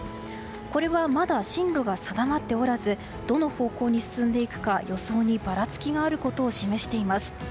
これはまだ進路が定まっておらずどの方向に進んでいくか予想にばらつきがあることを示しています。